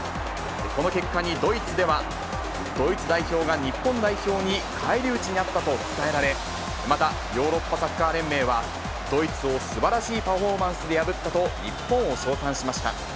この結果にドイツでは、ドイツ代表が日本代表に返り討ちにあったと伝えられ、また、ヨーロッパサッカー連盟は、ドイツをすばらしいパフォーマンスで破ったと、日本を称賛しました。